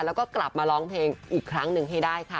แล้วก็กลับมาร้องเพลงอีกครั้งหนึ่งให้ได้ค่ะ